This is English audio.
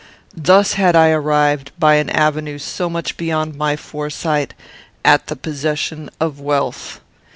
"Thus had I arrived, by an avenue so much beyond my foresight, at the possession of wealth.